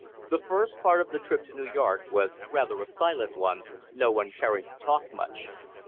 The first part of the trip to New York was rather a silent one, no one caring to talk much.